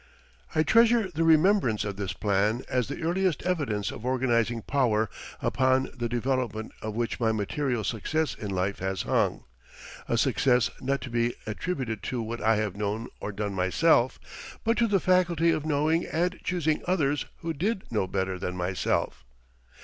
I treasure the remembrance of this plan as the earliest evidence of organizing power upon the development of which my material success in life has hung a success not to be attributed to what I have known or done myself, but to the faculty of knowing and choosing others who did know better than myself.